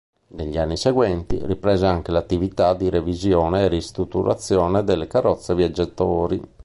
Negli anni seguenti, riprese anche l'attività di revisione e ristrutturazione delle carrozze viaggiatori.